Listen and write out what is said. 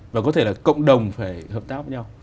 và có thể là cộng đồng phải hợp tác nhau